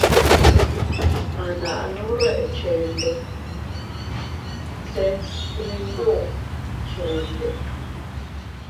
A nannu reʼe chende se fninduu chende.